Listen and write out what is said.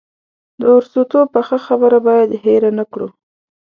د ارسطو پخه خبره باید هېره نه کړو.